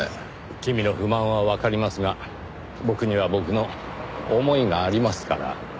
君の不満はわかりますが僕には僕の思いがありますから。